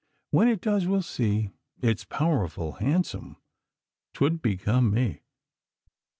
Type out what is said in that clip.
When it does, we'll see. It's powerful handsome. 'Twould become me."